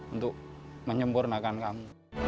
untuk menyempurnakan kamu